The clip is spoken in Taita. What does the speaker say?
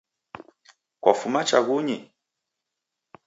Kwafuma chaghunyi?